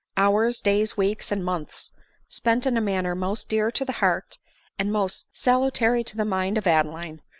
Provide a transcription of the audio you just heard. Hours, days, weeks, and months spent in a manner most dear to the heart and most salutary to the mind of Adeline